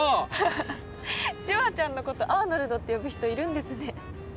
ハハシュワちゃんのことアーノルドって呼ぶ人いるんですね。